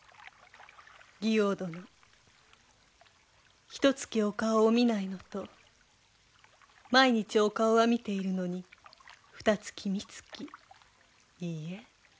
妓王殿ひとつきお顔を見ないのと毎日お顔は見ているのにふたつきみつきいいえ